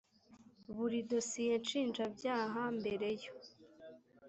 buri dosiye nshinjabyaha mbere yo